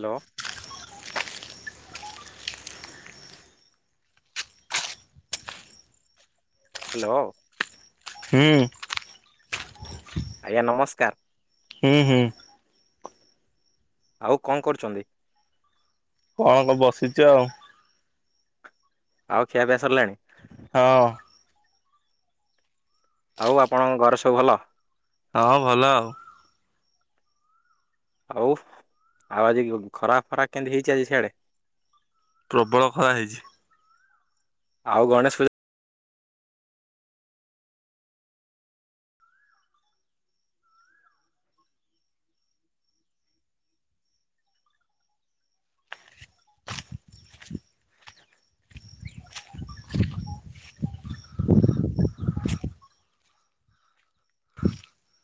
Hello. Hello. ହୁଁ। ଆଜ୍ଞା ନମସ୍କାର। ହୁଁ ହୁଁ। ଆଉ କଣ କରୁଚନ୍ତି? କଣ ବସିଚି ଆଉ। ଆଉ ଖିଆ ପିଆ ସରିଲାଣି? ହଁ। ଆଉ ଆପଣଙ୍କ ଘରେ ସବୁ ଭଲ? ହଁ ଭଲ ଆଉ। ହଉ ଆଉ ଆଜି ଖରା ଫରା କେମତି ହେଇଛି ଆଜି ସିଆଡେ? ପ୍ରବଳ ଖରା ହେଇଛି। ଆଉ ଗଣେଶ ପୂଜା [inaudible] [inaudible]